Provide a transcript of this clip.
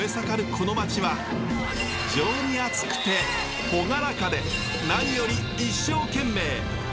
この町は情に厚くて朗らかで何より一生懸命。